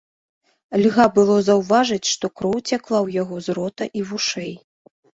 Льга было заўважыць, што кроў цякла ў яго з рота і вушэй.